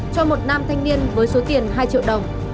cho một nam thanh niên với số tiền hai triệu đồng